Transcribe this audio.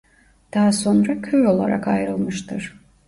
Daha sonra köy olarak ayrılmıştır.